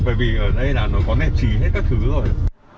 bởi vì ở đây là nó có nên chỉ hết các thứ rồi